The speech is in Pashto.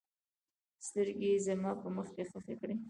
سترګې یې زما په مخ کې ښخې کړې.